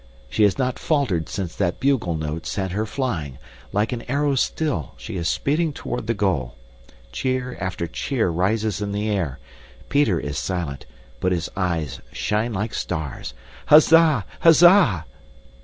She has not faltered since that bugle note sent her flying; like an arrow still she is speeding toward the goal. Cheer after cheer rises in the air. Peter is silent, but his eyes shine like stars. "Huzza! Huzza!"